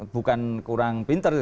bukan kurang pinter